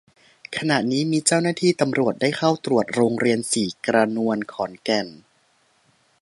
ขณะนี้มีเจ้าหน้าที่ตำรวจได้เข้าตรวจโรงเรียนศรีกระนวน ขอนแก่น